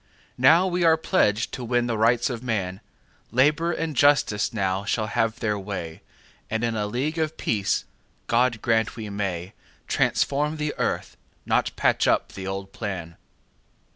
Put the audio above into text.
Now are we pledged to win the Rights of man; Labour and Justice now shall have their way, And in a League of Peace—God grant we may—Transform the earth, not patch up the old plan.